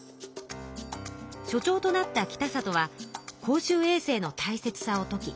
所長となった北里は公衆衛生のたいせつさを説き